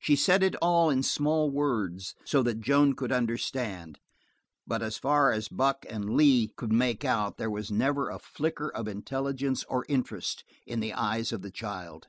She said it all in small words so that Joan could understand, but as far as Buck and Lee could make out, there was never a flicker of intelligence or interest in the eyes of the child.